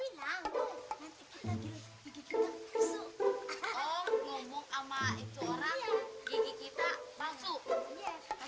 ya itu calon binisi beliau wajih